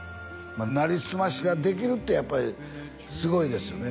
なりすましができるってやっぱりすごいですよね